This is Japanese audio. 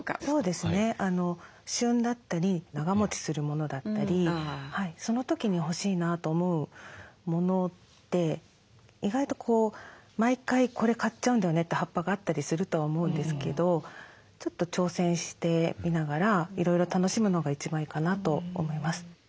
そうですね旬だったり長もちするものだったりその時に欲しいなと思うもので意外と「毎回これ買っちゃうんだよね」って葉っぱがあったりするとは思うんですけどちょっと挑戦してみながらいろいろ楽しむのが一番いいかなと思います。